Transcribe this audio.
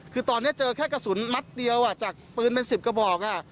คือตอนนี้เจอแค่กระสุนมัดเดียวจากปืนเป็น๑๐กระบอก